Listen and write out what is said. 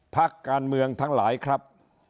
พักการเมืองทั้งหลายครับ